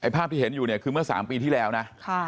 ภาพคือเห็นอยู่เมื่อ๓ปีที่แล้วนะ